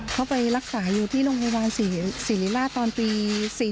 เขาไปรักษาอยู่ที่โรงพยาบาลศรีริราชตอนปี๔๔